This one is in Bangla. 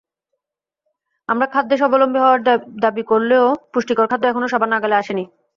আমরা খাদ্যে স্বাবলম্বী হওয়ার দাবি করলেও পুষ্টিকর খাদ্য এখনো সবার নাগালে আসেনি।